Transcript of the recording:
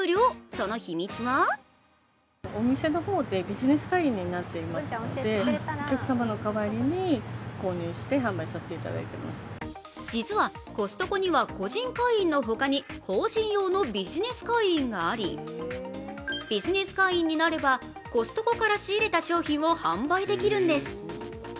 その秘密は実はコストコには個人会員のほかに法人用のビジネス会員があり、ビジネス会員になれば、コストコから仕入れた商品を販売できるんです。